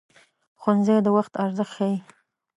ښوونځی د وخت ارزښت ښيي